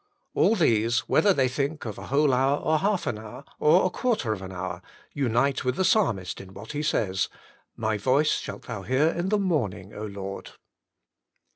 All these, whether they think of a whole hour or half an hour, or a quarter of an hour, unite with the Psalmist in what he says, "My voice shalt thou hear in the morning, Lord."